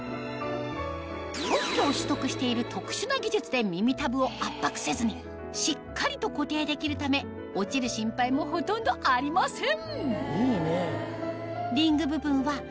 特許を取得している特殊な技術で耳たぶを圧迫せずにしっかりと固定できるため落ちる心配もほとんどありません